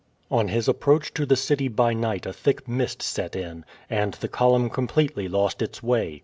On his approach to the city by night a thick mist set in, and the column completely lost its way.